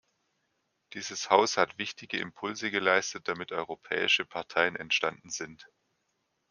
Dieses Haus hat wichtige Impulse geleistet, damit europäische Parteien entstanden sind.